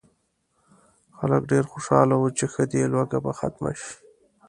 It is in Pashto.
خلک ډېر خوشاله وو چې ښه دی لوږه به ختمه شي.